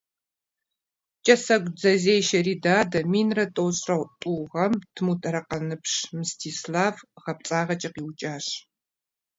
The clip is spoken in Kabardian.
КӀэсэгу дзэзешэ Ридадэ минрэ тӏощӏрэ тӏу гъэм тмутэрэкъаныпщ Мстислав гъэпцӀагъэкӀэ къиукӀащ.